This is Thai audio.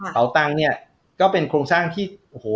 เตาตังค์เนี่ยก็เป็นโครงสร้างที่โอ้โห